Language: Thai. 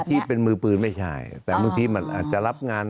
อาชีพเป็นมือปืนไม่ใช่แต่เมื่อกี้มันอาจจะรับงาน